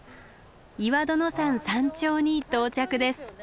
岩殿山山頂に到着です。